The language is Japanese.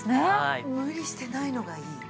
無理してないのがいい。